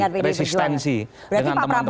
untuk menghindari resistensi dengan teman teman pdip